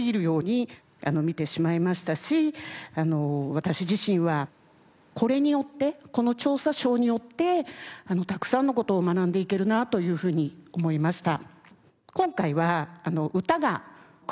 私自身はこれによってこの『調査ショー』によってたくさんの事を学んでいけるなというふうに思いました。